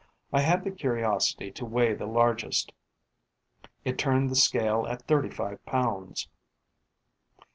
I had the curiosity to weigh the largest: it turned the scale at thirty five pounds.